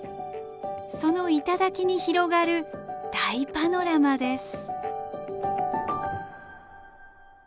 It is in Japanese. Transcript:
その頂に広がる大パノラマです。